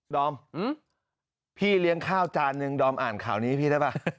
ดอมพี่เลี้ยงข้าวจานนึงดอมอ่านข่าวนี้พี่ได้ป่ะ